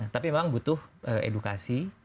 tapi memang butuh edukasi